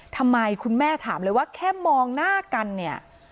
ทำไมคุณแม่ถามเลยว่าแค่มองหน้ากันเนี่ย